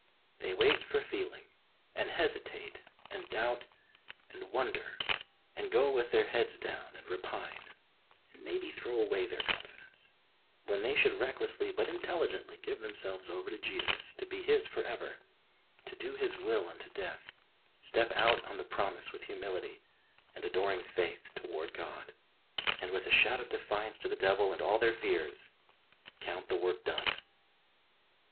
They wait for feeling, and hesitate and doubt and wonder and go with their heads down and repine, and maybe throw away their confidence, when they should recklessly but intelligently give themselves over to Jesus to be His for ever, to do His will unto death, step out on the promise with humility and adoring faith toward God, and with a shout of defiance to the devil and all their fears, count the v.ork done.